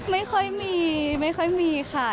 ไม่ค่อยมีไม่ค่อยมีค่ะ